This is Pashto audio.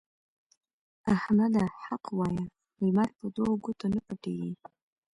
احمده! حق وايه؛ لمر په دوو ګوتو نه پټېږي.